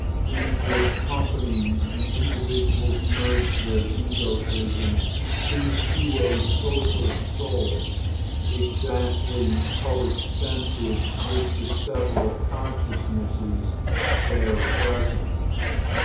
In good company the individuals merge their egotism into a social soul exactly co extensive with the several consciousnesses there present.